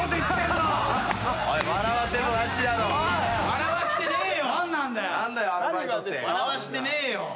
笑わしてねえよ。